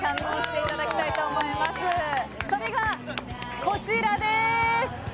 それがこちらです。